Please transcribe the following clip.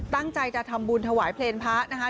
ตั้งใจจะทำบุญถวายเพลงพระนะคะ